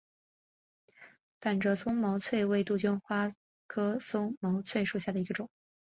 反折松毛翠为杜鹃花科松毛翠属下的一个种。